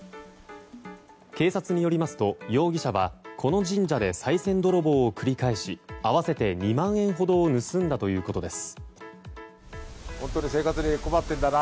警察によりますと容疑者は、この神社でさい銭泥棒を繰り返し合わせて２万円ほどを盗んだということです。